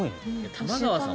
玉川さん